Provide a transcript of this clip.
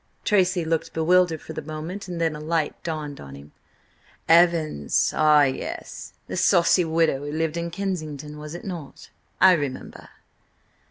Tracy looked bewildered for the moment, and then a light dawned on him. "Evans! Ah, yes! The saucy widow who lived in Kensington, was it not? I remember."